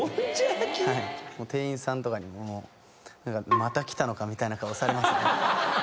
店員さんとかにもまた来たのかみたいな顔されますね。